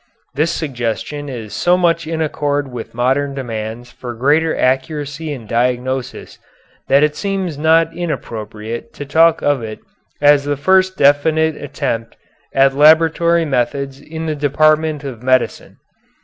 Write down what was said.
This suggestion is so much in accord with modern demands for greater accuracy in diagnosis that it seems not inappropriate to talk of it as the first definite attempt at laboratory methods in the department of medicine.